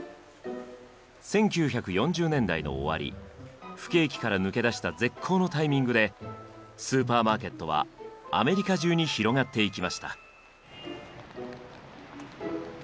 １９４０年代の終わり不景気から抜け出した絶好のタイミングでスーパーマーケットはアメリカ中に広がっていきました。